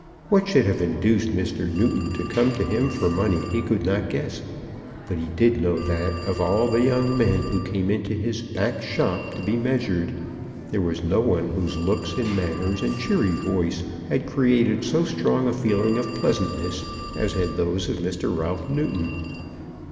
What should have induced Mr. Newton to come to him for money he could not guess; but he did know that, of all the young men who came into his back shop to be measured, there was no one whose looks and manners and cheery voice had created so strong a feeling of pleasantness as had those of Mr. Ralph Newton.